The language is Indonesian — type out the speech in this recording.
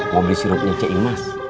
mau beli sirupnya cek imas